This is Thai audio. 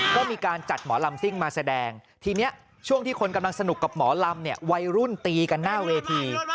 ก็มีการจัดหมอลำซิ่งมาแสดงทีนี้ช่วงที่คนกำลังสนุกกับหมอลำเนี่ยวัยรุ่นตีกันหน้าเวที